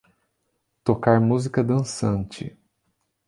Tocar música dançante